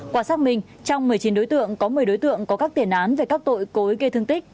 quả sắc mình trong một mươi chín đối tượng có một mươi đối tượng có các tiền án về các tội cối gây thương tích